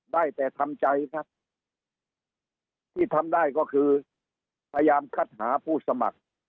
ได้แต่ทำใจครับที่ทำได้ก็คือพยายามคัดหาผู้สมัคร